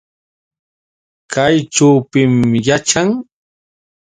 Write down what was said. ¿Kayćhu pim yaćhan?